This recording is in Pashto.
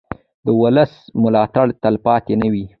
د ولس ملاتړ تلپاتې نه وي